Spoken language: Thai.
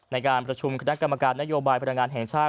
ในการประชุมคณะกรรมการนโยบายพลังงานแห่งชาติ